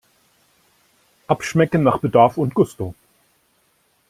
Abschmecken nach Bedarf und Gusto!